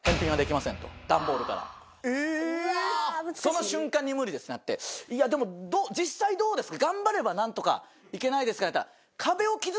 その瞬間に無理ですってなって「いやでも実際どうですか？」。